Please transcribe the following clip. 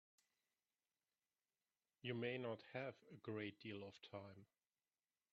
You may not have a great deal of time.